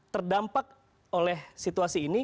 terdampak oleh situasi ini